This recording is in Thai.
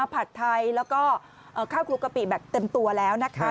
ผัดไทยแล้วก็ข้าวคลุกกะปิแบบเต็มตัวแล้วนะคะ